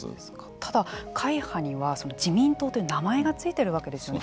ただ、会派には自民党と名前がついているわけですよね。